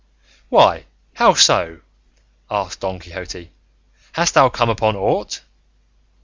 "Why, how so?" asked Don Quixote; "hast thou come upon aught?"